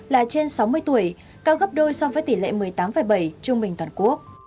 là trên sáu mươi tuổi cao gấp đôi so với tỷ lệ một mươi tám bảy trung bình toàn quốc